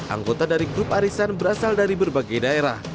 anggota dari grup arisan berasal dari berbagai daerah